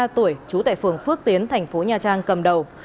bốn mươi ba tuổi trú tại phường phước tiến thành phố nha trang cầm đầu